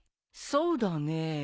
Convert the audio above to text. そうだね。